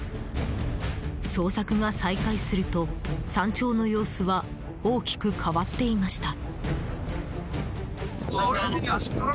捜索が再開すると山頂の様子は大きく変わっていました。